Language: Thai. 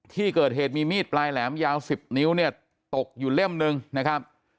ที่เกิดเหตุมีมีดปลายแหลมยาว๑๐นิ้วเนี่ยตกอยู่เล่มหนึ่งนะครับ